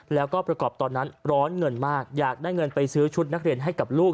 แล้วก็ประกอบตอนนั้นร้อนเงินมากอยากได้เงินไปซื้อชุดนักเรียนให้กับลูก